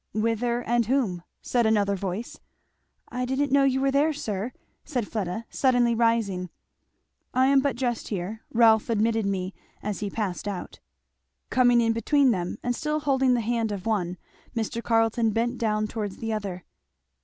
"Whither? and whom?" said another voice. "I didn't know you were there, sir," said Fleda suddenly rising. "I am but just here Rolf admitted me as he passed out." Coming in between them and still holding the hand of one Mr. Carleton bent down towards the other.